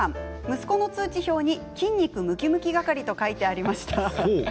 息子の通知表に筋肉むきむき係と書いてありました。